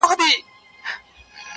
میاشتې اونۍ لکه شمال تېریږي